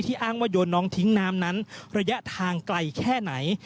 อ้างว่าโยนน้องทิ้งน้ำนั้นระยะทางไกลแค่ไหน